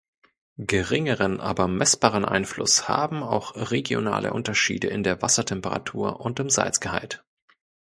Geringeren, aber messbaren Einfluss haben auch regionale Unterschiede in der Wassertemperatur und im Salzgehalt.